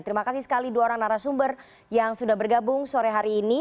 terima kasih sekali dua orang narasumber yang sudah bergabung sore hari ini